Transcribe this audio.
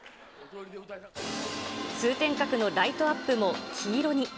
通天閣のライトアップも黄色に。